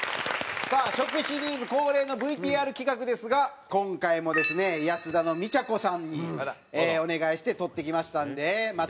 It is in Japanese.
さあ食シリーズ恒例のＶＴＲ企画ですが今回もですね安田のみちゃこさんにお願いして撮ってきましたのでまた